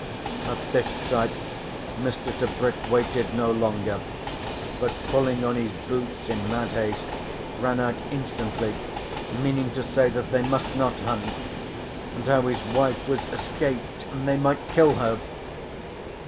At this sight Mr. Tebrick waited no longer, but pulling on his boots in mad haste, ran out instantly, meaning to say that they must not hunt, and how his wife was escaped and they might kill her.